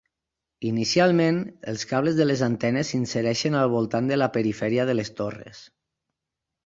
Inicialment, els cables de les antenes s'insereixen al voltant de la perifèria de les torres.